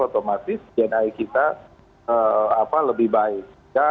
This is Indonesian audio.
otomatis dni kita lebih baik